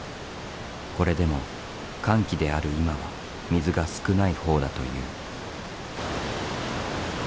これでも乾季である今は水が少ない方だという。